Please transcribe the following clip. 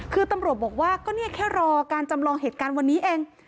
คือตำรวจบอกว่าก็เนี่ยแค่รอการจำลองเหตุการณ์วันนี้เอง